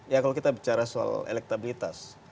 ya kalau kita bicara soal elektabilitas